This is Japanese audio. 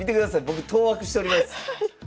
僕当惑しております。